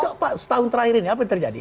coba setahun terakhir ini apa yang terjadi